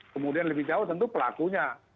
kemudian lebih jauh tentu pelakunya